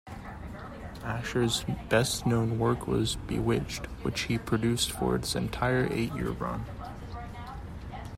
Asher's best known work was "Bewitched", which he produced for its entire eight-year run.